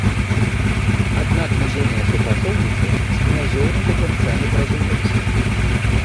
Аднак музейныя супрацоўніцы з князёўнай да канца не паразумеліся.